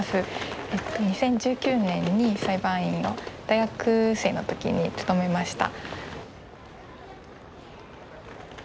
２０１９年に裁判員を大学生の時に務めました。